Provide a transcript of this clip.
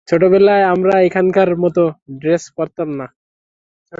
ছোটবেলায় আমরা এখনকার মতো ড্রেস পরতাম না।